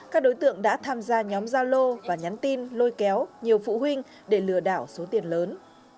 các đối tượng đã tham gia nhóm gia lô và nhắn tin lôi kéo nhiều phụ huynh để lừa đảo số tiền lớn